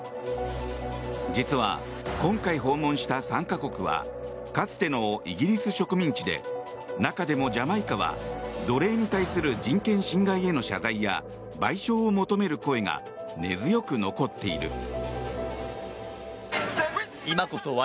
実は、今回訪問した３か国はかつてのイギリス植民地で中でもジャマイカは奴隷に対する人権侵害への謝罪や賠償を求める声が根強く残っている。